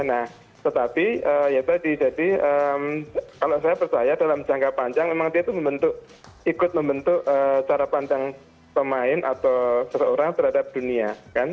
nah tetapi ya tadi jadi kalau saya percaya dalam jangka panjang memang dia itu ikut membentuk cara pandang pemain atau seseorang terhadap dunia